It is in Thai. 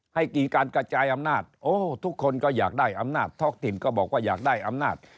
ให้กี่การกระจายอำนาจโอ้ทุกคนก็อยากได้อำนาจท้องถิ่นก็บอกว่าอยากได้อำนาจ